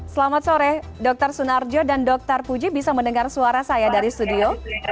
selamat sore dr sunarjo dan dr puji bisa mendengar suara saya dari studio